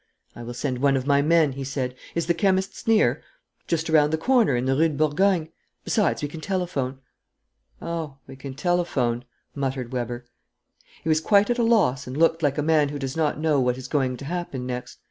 "I will send one of my men," he said. "Is the chemist's near?" "Just around the corner, in the Rue de Bourgogne. Besides, we can telephone." "Oh, we can telephone!" muttered Weber. He was quite at a loss and looked like a man who does not know what is going to happen next.